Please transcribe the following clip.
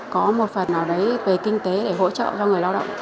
có một phần nào đấy về kinh tế để hỗ trợ cho người lao động